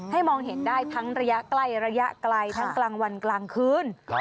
มองเห็นได้ทั้งระยะใกล้ระยะไกลทั้งกลางวันกลางคืน